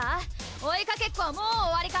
追いかけっこはもう終わりか？